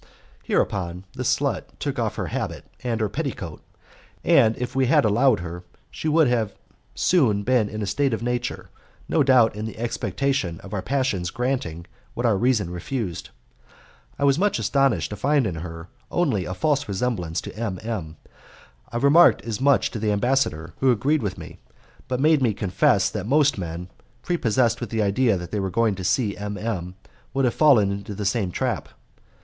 Hereupon the slut took off her habit and her petticoat, and if we had allowed her she would have soon been in a state of nature, no doubt in the expectation of our passions granting what our reason refused. I was much astonished to find in her only a false resemblance to M.M. I remarked as much to the ambassador, who agreed with me, but made me confess that most men, prepossessed with the idea that they were going to see M. M., would have fallen into the same trap.